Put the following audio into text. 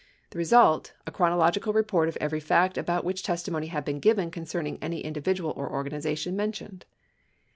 The result — a chronological report of every fact about which testimonv had been given concerning any indi vidual or organization mentioned.